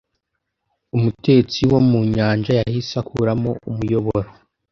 Umutetsi wo mu nyanja yahise akuramo umuyoboro.